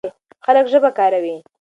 خلک ژبه کاروي.